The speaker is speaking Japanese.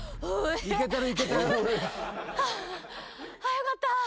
よかった。